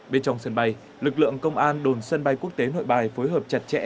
bên trong sân bay lực lượng công an đồn sân bay quốc tế nội bài phối hợp chặt chẽ